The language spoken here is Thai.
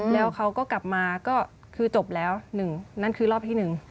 แล้วเขาก็กลับมาก็คือจบแล้วหนึ่งนั่นคือรอบที่๑